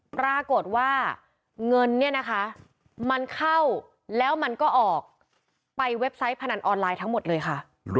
ปรากฏว่าเงินเนี่ยนะคะมันเข้าแล้วมันก็ออกไปเว็บไซต์พนันออนไลน์ทั้งหมดเลยค่ะ